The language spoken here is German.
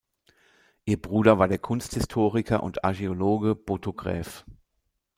Ihr Bruder war der Kunsthistoriker und Archäologe Botho Graef.